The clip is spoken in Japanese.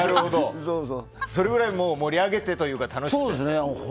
それくらい盛り上げてというか楽しく。